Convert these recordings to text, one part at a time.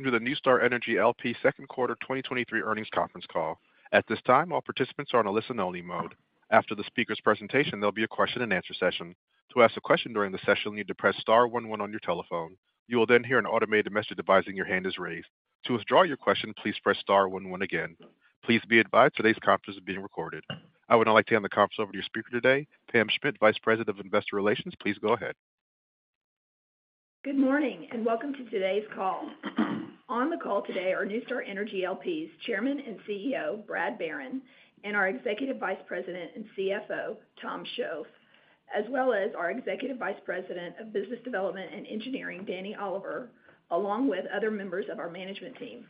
Welcome to the NuStar Energy L.P. Second Quarter 2023 earnings conference call. At this time, all participants are on a listen-only mode. After the speaker's presentation, there'll be a question-and-answer session. To ask a question during the session, you need to press star 1 1 on your telephone. You will then hear an automated message advising your hand is raised. To withdraw your question, please press star 1 1 again. Please be advised, today's conference is being recorded. I would now like to hand the conference over to your speaker today, Pam Schmidt, Vice President of Investor Relations. Please go ahead. Good morning, and welcome to today's call. On the call today are NuStar Energy L.P.'s Chairman and CEO, Brad Barron, and our Executive Vice President and CFO, Tom Shoaf, as well as our Executive Vice President of Business Development and Engineering, Danny Oliver, along with other members of our management team.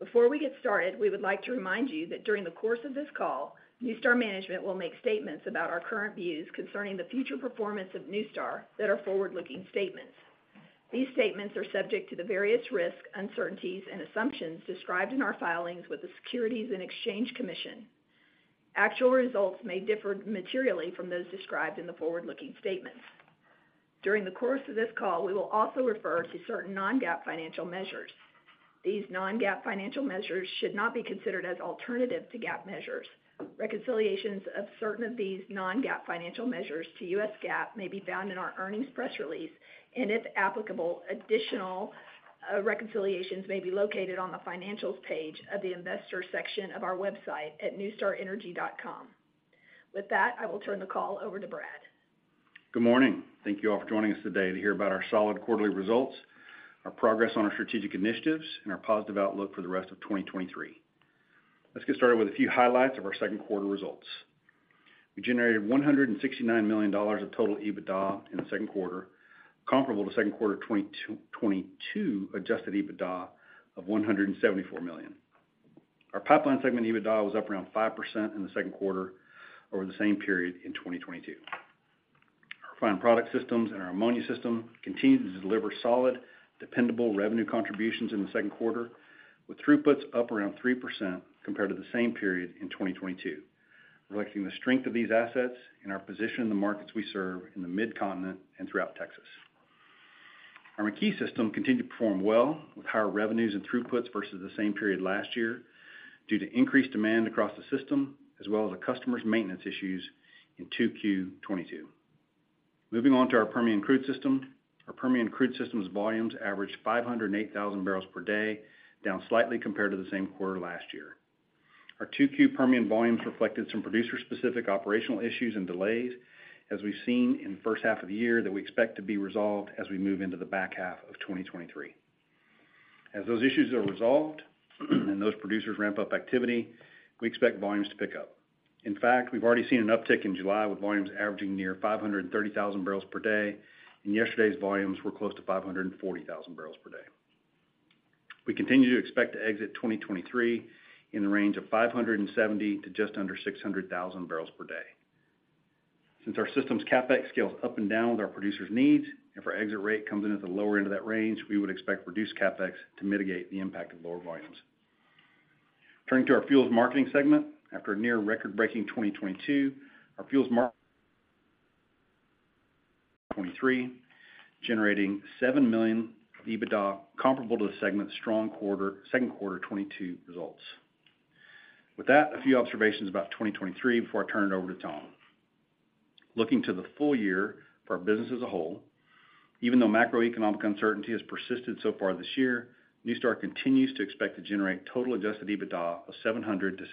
Before we get started, we would like to remind you that during the course of this call, NuStar management will make statements about our current views concerning the future performance of NuStar that are forward-looking statements. These statements are subject to the various risks, uncertainties, and assumptions described in our filings with the Securities and Exchange Commission. Actual results may differ materially from those described in the forward-looking statements. During the course of this call, we will also refer to certain non-GAAP financial measures. These non-GAAP financial measures should not be considered as alternative to GAAP measures. Reconciliations of certain of these non-GAAP financial measures to U.S. GAAP may be found in our earnings press release, and if applicable, additional reconciliations may be located on the financials page of the investor section of our website at nustarenergy.com. With that, I will turn the call over to Brad. Good morning. Thank you all for joining us today to hear about our solid quarterly results, our progress on our strategic initiatives, and our positive outlook for the rest of 2023. Let's get started with a few highlights of our second quarter results. We generated $169 million of total EBITDA in the second quarter, comparable to second quarter 2022 adjusted EBITDA of $174 million. Our Pipeline Segment EBITDA was up around 5% in the second quarter over the same period in 2022. Our refined product systems and our Ammonia Pipeline System continued to deliver solid, dependable revenue contributions in the second quarter, with throughputs up around 3% compared to the same period in 2022, reflecting the strength of these assets and our position in the markets we serve in the Mid-Continent and throughout Texas. Our McKee System continued to perform well, with higher revenues and throughputs versus the same period last year, due to increased demand across the system, as well as the customer's maintenance issues in 2Q 2022. Moving on to our Permian Crude System. Our Permian Crude System's volumes averaged 508,000 barrels per day, down slightly compared to the same quarter last year. Our 2Q Permian volumes reflected some producer-specific operational issues and delays, as we've seen in the first half of the year, that we expect to be resolved as we move into the back half of 2023. As those issues are resolved, and those producers ramp up activity, we expect volumes to pick up. In fact, we've already seen an uptick in July, with volumes averaging near 530,000 barrels per day. Yesterday's volumes were close to 540,000 barrels per day. We continue to expect to exit 2023 in the range of 570,000 to just under 600,000 barrels per day. Since our system's CapEx scales up and down with our producers' needs, if our exit rate comes in at the lower end of that range, we would expect reduced CapEx to mitigate the impact of lower volumes. Turning to our Fuels Marketing Segment. After a near record-breaking 2022, our 2023, generating $7 million EBITDA, comparable to the segment's strong quarter, second quarter 2022 results. With that, a few observations about 2023 before I turn it over to Tom. Looking to the full year for our business as a whole, even though macroeconomic uncertainty has persisted so far this year, NuStar continues to expect to generate total adjusted EBITDA of $700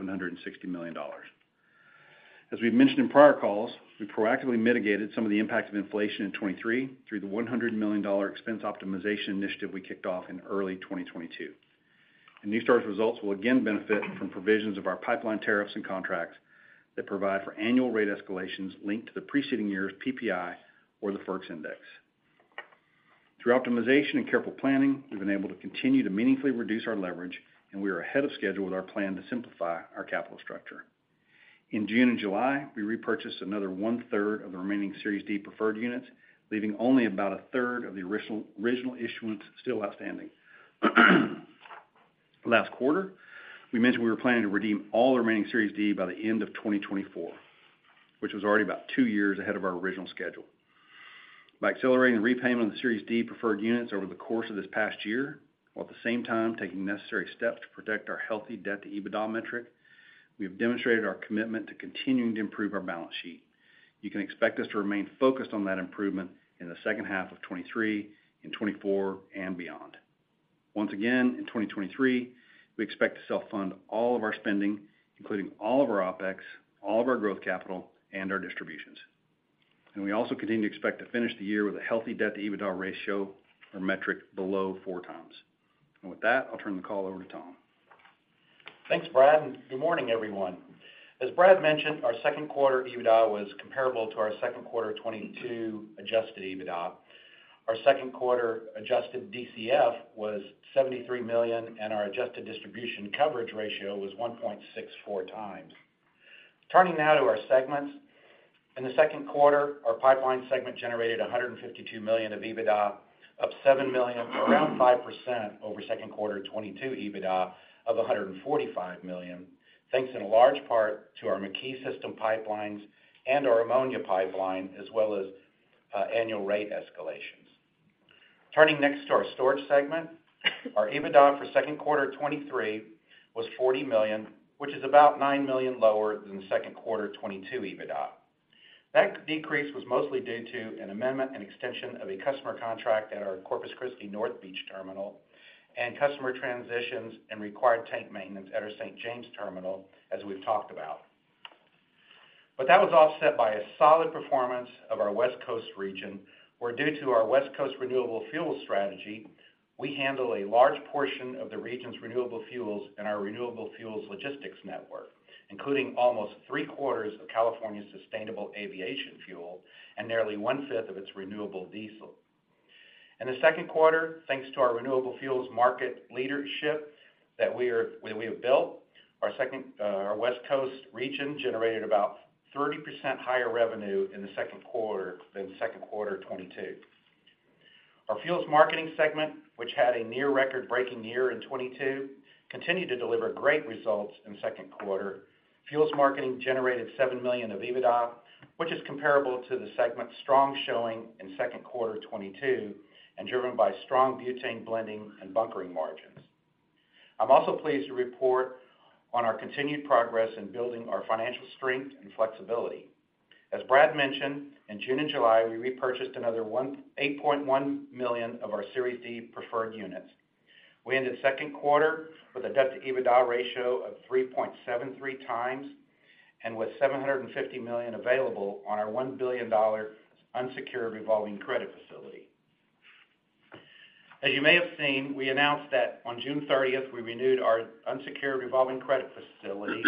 million-$760 million. As we've mentioned in prior calls, we proactively mitigated some of the impacts of inflation in 2023 through the $100 million expense optimization initiative we kicked off in early 2022. NuStar's results will again benefit from provisions of our pipeline tariffs and contracts that provide for annual rate escalations linked to the preceding year's PPI or the FERC Index. Through optimization and careful planning, we've been able to continue to meaningfully reduce our leverage, and we are ahead of schedule with our plan to simplify our capital structure. In June and July, we repurchased another one-third of the remaining Series D preferred units, leaving only about a third of the original, original issuance still outstanding. Last quarter, we mentioned we were planning to redeem all the remaining Series D by the end of 2024, which was already about 2 years ahead of our original schedule. By accelerating the repayment of the Series D preferred units over the course of this past year, while at the same time taking necessary steps to protect our healthy debt-to-EBITDA metric, we have demonstrated our commitment to continuing to improve our balance sheet. You can expect us to remain focused on that improvement in the second half of 2023, in 2024, and beyond. Once again, in 2023, we expect to self-fund all of our spending, including all of our OpEx, all of our growth capital, and our distributions. We also continue to expect to finish the year with a healthy debt-to-EBITDA ratio or metric below 4 times. With that, I'll turn the call over to Tom. Thanks, Brad, and good morning, everyone. As Brad mentioned, our second quarter EBITDA was comparable to our second quarter 2022 adjusted EBITDA. Our second quarter adjusted DCF was $73 million, and our adjusted distribution coverage ratio was 1.64 times. Turning now to our segments. In the second quarter, our Pipeline Segment generated $152 million of EBITDA, up $7 million, around 5% over second quarter 2022 EBITDA of $145 million, thanks in large part to our McKee System pipelines and our ammonia pipeline, as well as annual rate escalations. Turning next to our Storage Segment, our EBITDA for second quarter '23 was $40 million, which is about $9 million lower than the second quarter '22 EBITDA. That decrease was mostly due to an amendment and extension of a customer contract at our Corpus Christi North Beach terminal and customer transitions and required tank maintenance at our St. James terminal, as we've talked about. That was offset by a solid performance of our West Coast region, where due to our West Coast Renewable Fuels Strategy, we handle a large portion of the region's renewable fuels in our Renewable Fuels Logistics Network, including almost 3/4 of California's sustainable aviation fuel and nearly 1/5 of its renewable diesel. In the second quarter, thanks to our renewable fuels market leadership that we have built, our West Coast region generated about 30% higher revenue in the second quarter than second quarter '22. Our Fuels Marketing Segment, which had a near record-breaking year in '22, continued to deliver great results in the second quarter. Fuels Marketing generated $7 million of EBITDA, which is comparable to the segment's strong showing in second quarter '22 and driven by strong butane blending and bunkering margins. I'm also pleased to report on our continued progress in building our financial strength and flexibility. As Brad mentioned, in June and July, we repurchased another $8.1 million of our Series D preferred units. We ended second quarter with a debt-to-EBITDA ratio of 3.73 times, and with $750 million available on our $1 billion unsecured revolving credit facility. As you may have seen, we announced that on June 30, we renewed our unsecured revolving credit facility,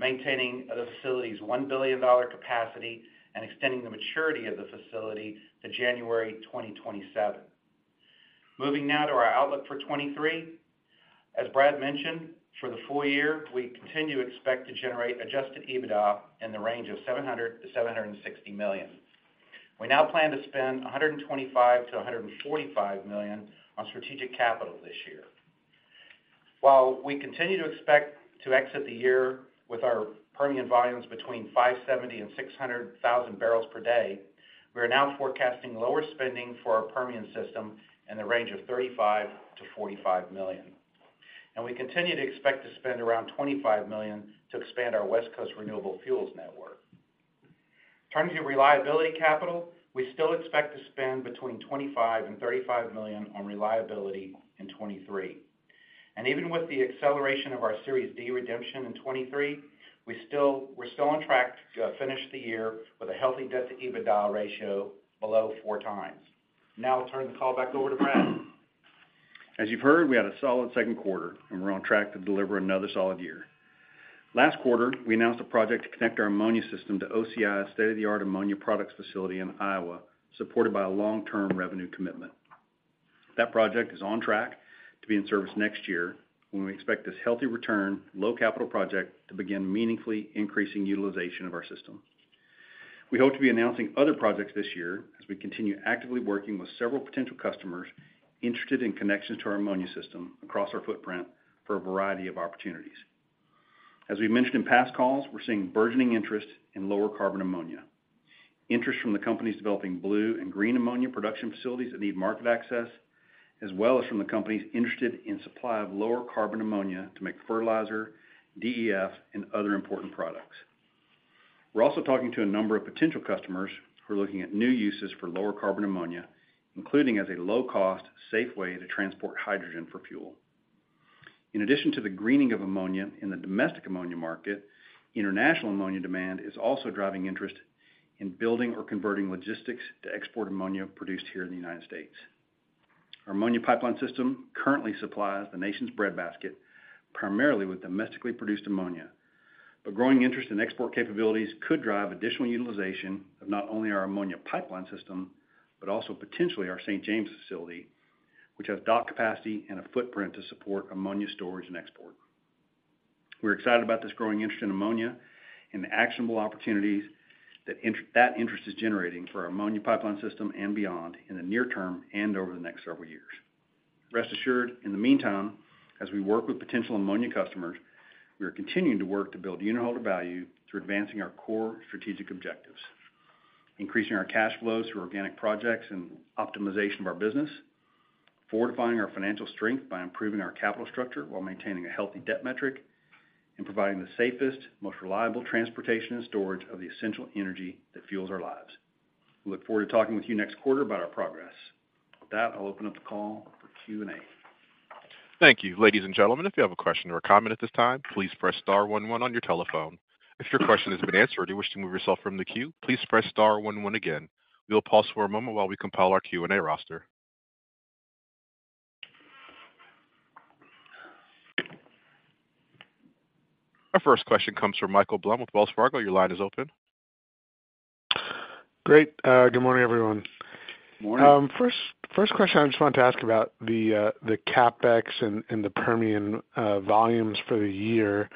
maintaining the facility's $1 billion capacity and extending the maturity of the facility to January 2027. Moving now to our outlook for 2023. As Brad mentioned, for the full year, we continue to expect to generate adjusted EBITDA in the range of $700 million-$760 million. We now plan to spend $125 million-$145 million on strategic capital this year. While we continue to expect to exit the year with our Permian volumes between 570,000-600,000 barrels per day, we are now forecasting lower spending for our Permian System in the range of $35 million-$45 million. We continue to expect to spend around $25 million to expand our West Coast renewable fuels network. Turning to reliability capital, we still expect to spend between $25 million-$35 million on reliability in 2023. Even with the acceleration of our Series D redemption in 2023, we're still on track to finish the year with a healthy debt-to-EBITDA ratio below 4 times. Now I'll turn the call back over to Brad. As you've heard, we had a solid second quarter, and we're on track to deliver another solid year. Last quarter, we announced a project to connect our ammonia system to OCI's state-of-the-art ammonia products facility in Iowa, supported by a long-term revenue commitment. That project is on track to be in service next year, when we expect this healthy return, low capital project to begin meaningfully increasing utilization of our system. We hope to be announcing other projects this year as we continue actively working with several potential customers interested in connections to our ammonia system across our footprint for a variety of opportunities. As we mentioned in past calls, we're seeing burgeoning interest in lower carbon ammonia. Interest from the companies developing blue and green ammonia production facilities that need market access, as well as from the companies interested in supply of lower carbon ammonia to make fertilizer, DEF, and other important products. We're also talking to a number of potential customers who are looking at new uses for lower carbon ammonia, including as a low-cost, safe way to transport hydrogen for fuel. In addition to the greening of ammonia in the domestic ammonia market, international ammonia demand is also driving interest in building or converting logistics to export ammonia produced here in the United States. Our Ammonia Pipeline System currently supplies the nation's breadbasket, primarily with domestically produced ammonia. Growing interest in export capabilities could drive additional utilization of not only our Ammonia Pipeline System, but also potentially our St. James facility, which has dock capacity and a footprint to support ammonia storage and export. We're excited about this growing interest in ammonia and the actionable opportunities that interest is generating for our Ammonia Pipeline System and beyond, in the near term and over the next several years. Rest assured, in the meantime, as we work with potential ammonia customers, we are continuing to work to build unitholder value through advancing our core strategic objectives: increasing our cash flows through organic projects and optimization of our business, fortifying our financial strength by improving our capital structure while maintaining a healthy debt metric, and providing the safest, most reliable transportation and storage of the essential energy that fuels our lives. We look forward to talking with you next quarter about our progress. With that, I'll open up the call for Q&A. Thank you. Ladies and gentlemen, if you have a question or a comment at this time, please press star one one on your telephone. If your question has been answered or you wish to move yourself from the queue, please press star one one again. We will pause for a moment while we compile our Q&A roster. Our 1st question comes from Michael Blum with Wells Fargo. Your line is open. Great. Good morning, everyone. Morning. First question, I just wanted to ask about the CapEx and the Permian volumes for the year.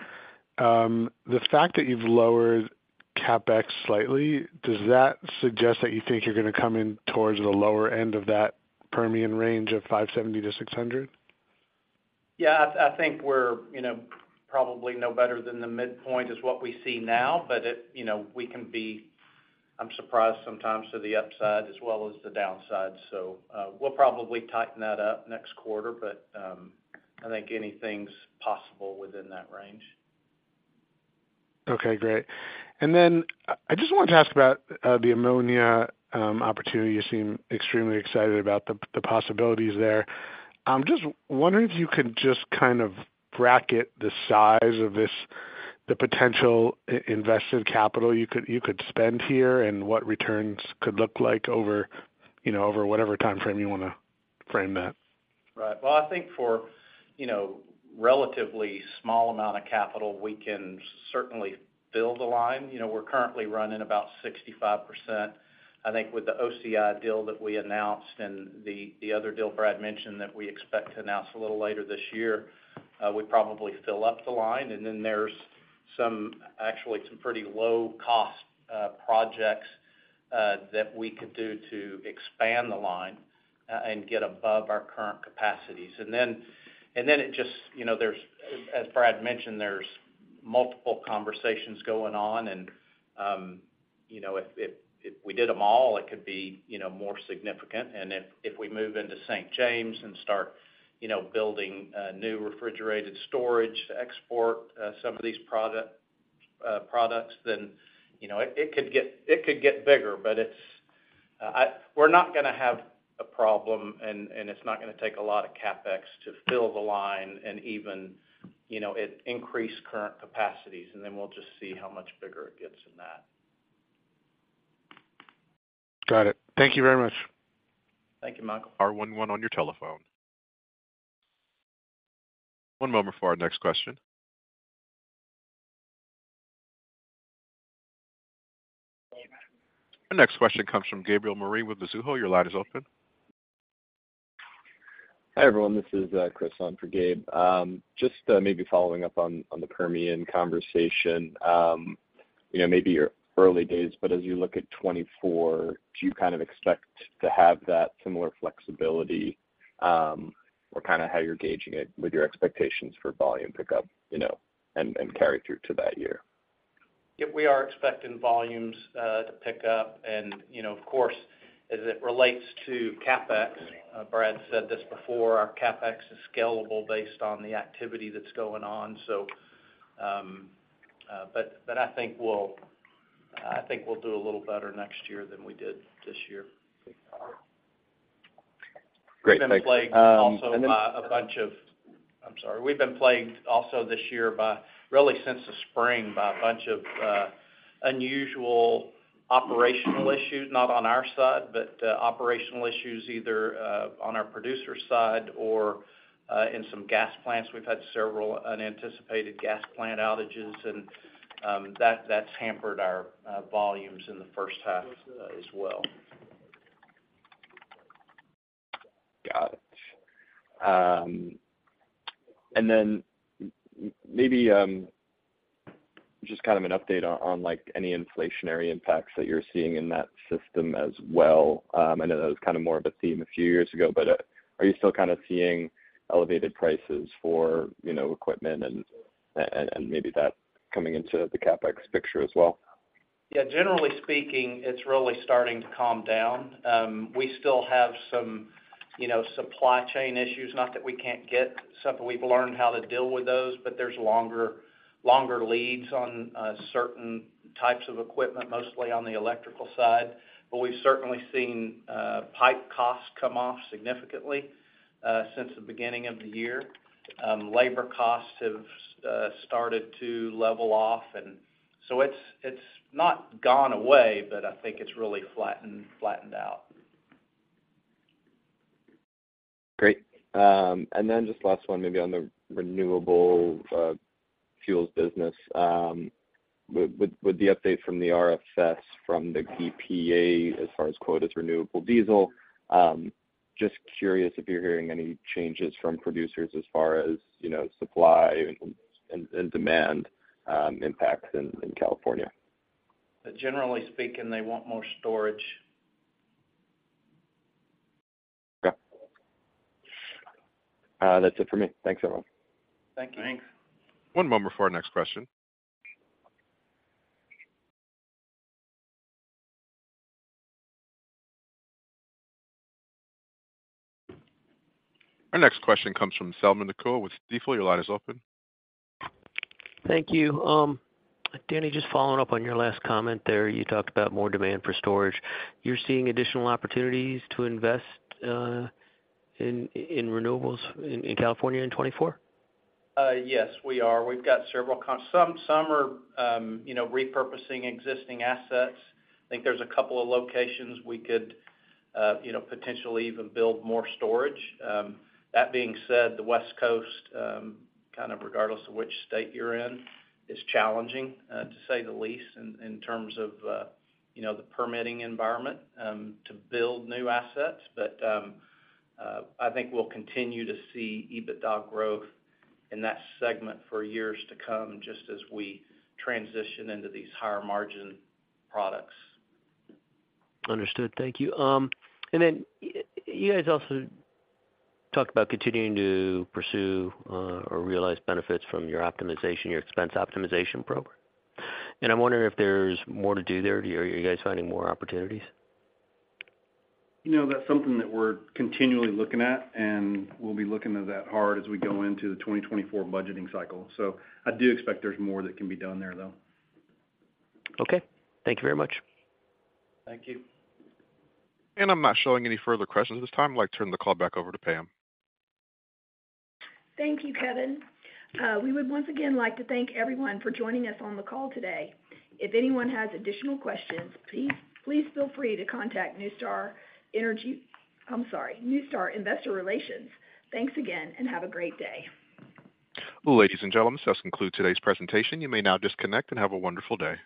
The fact that you've lowered CapEx slightly, does that suggest that you think you're going to come in towards the lower end of that Permian range of 570 to 600? Yeah, I, I think we're, you know, probably no better than the midpoint is what we see now, but it, you know, I'm surprised sometimes to the upside as well as the downside. We'll probably tighten that up next quarter, but I think anything's possible within that range. Okay, great. I just wanted to ask about the ammonia opportunity. You seem extremely excited about the possibilities there. I'm just wondering if you could just kind of bracket the size of this, the potential invested capital you could, you could spend here and what returns could look like over, you know, over whatever timeframe you wanna frame that. Right. Well, I think for, you know, relatively small amount of capital, we can certainly build a line. You know, we're currently running about 65%. I think with the OCI deal that we announced and the, the other deal Brad mentioned, that we expect to announce a little later this year, we'd probably fill up the line, and then there's actually some pretty low-cost projects that we could do to expand the line and get above our current capacities. Then, and then it just, you know, there's, as Brad mentioned, multiple conversations going on, and, you know, if, if, if we did them all, it could be, you know, more significant. If, if we move into St. James start, you know, building, new refrigerated storage to export, some of these product products, you know, it, it could get, it could get bigger, it's, we're not gonna have a problem, and it's not gonna take a lot of CapEx to fill the line and even, you know, it increased current capacities, then we'll just see how much bigger it gets than that. Got it. Thank you very much. Thank you, Michael. star 1 1 on your telephone. One moment for our next question. Our next question comes from Gabriel Moreen with Mizuho. Your line is open. Hi, everyone. This is Chris on for Gabe. Just maybe following up on, on the Permian conversation, you know, maybe you're early days, but as you look at 2024, do you kind of expect to have that similar flexibility, or kind of how you're gauging it with your expectations for volume pickup, you know, and, and carry through to that year? Yep, we are expecting volumes to pick up. You know, of course, as it relates to CapEx, Brad said this before, our CapEx is scalable based on the activity that's going on, so. But I think we'll, I think we'll do a little better next year than we did this year. Great. Thank you. By a bunch of... I'm sorry. We've been plagued also this year by, really since the spring, by a bunch of unusual operational issues, not on our side, but operational issues either on our producer side or in some gas plants. We've had several unanticipated gas plant outages, and that-that's hampered our volumes in the first half as well. Got it. Then maybe, just kind of an update on, on, like, any inflationary impacts that you're seeing in that system as well. I know that was kind of more of a theme a few years ago, but, are you still kind of seeing elevated prices for, you know, equipment and, and, and maybe that coming into the CapEx picture as well? Yeah, generally speaking, it's really starting to calm down. We still have some, you know, supply chain issues, not that we can't get. We've learned how to deal with those, but there's longer, longer leads on certain types of equipment, mostly on the electrical side. We've certainly seen pipe costs come off significantly since the beginning of the year. Labor costs have started to level off, and so it's, it's not gone away, but I think it's really flattened, flattened out. Great. Just last one, maybe on the renewable fuels business. With, with, with the update from the RFS, from the EPA, as far as quotas, renewable diesel, just curious if you're hearing any changes from producers as far as, you know, supply and, and, and demand, impacts in, in California? Generally speaking, they want more storage. Okay. That's it for me. Thanks, everyone. Thank you. Thanks. One moment before our next question. Our next question comes from Selman Akyol with Stifel. Your line is open. Thank you. Danny, just following up on your last comment there, you talked about more demand for storage. You're seeing additional opportunities to invest, in, in renewables in, in California in 2024? Yes, we are. We've got several some, some are, you know, repurposing existing assets. I think there's a couple of locations we could, you know, potentially even build more storage. That being said, the West Coast, kind of regardless of which state you're in, is challenging, to say the least, in, in terms of, you know, the permitting environment, to build new assets. I think we'll continue to see EBITDA growth in that segment for years to come, just as we transition into these higher margin products. Understood. Thank you. You guys also talked about continuing to pursue or realize benefits from your optimization, your expense optimization initiative. I'm wondering if there's more to do there. Are you guys finding more opportunities? You know, that's something that we're continually looking at, and we'll be looking at that hard as we go into the 2024 budgeting cycle. I do expect there's more that can be done there, though. Okay. Thank you very much. Thank you. I'm not showing any further questions at this time. I'd like to turn the call back over to Pam. Thank you, Kevin. We would once again like to thank everyone for joining us on the call today. If anyone has additional questions, please, please feel free to contact NuStar Energy, I'm sorry, NuStar Investor Relations. Thanks again. Have a great day. Ladies and gentlemen, this concludes today's presentation. You may now disconnect and have a wonderful day.